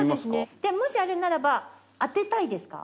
でもしあれならば当てたいですか？